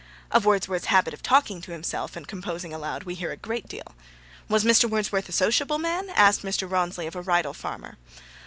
Of Wordsworth's habit of talking to himself, and composing aloud, we hear a great deal. 'Was Mr. Wordsworth a sociable man?' asked Mr. Rawnsley of a Rydal farmer.